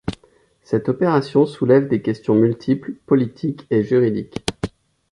Cette opération soulève des questions multiples, politiques et juridiques.